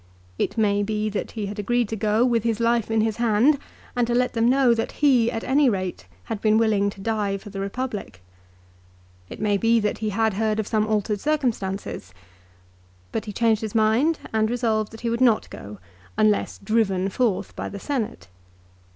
It may be that he had agreed to go, with his life in his hand, and to let them know that he at any rate had been willing to die for the Republic. It may be that he had heard of some altered circumstances. But he changed his mind and resolved that he would not go, unless driven forth by the Senate.